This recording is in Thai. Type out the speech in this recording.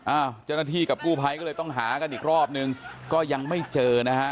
เจ้าหน้าที่กับกู้ภัยก็เลยต้องหากันอีกรอบนึงก็ยังไม่เจอนะฮะ